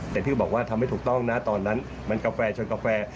แต่ที่ก็บอกว่าทำให้ถูกต้องนะตอนนั้นมันกาแฟชนกาแฟ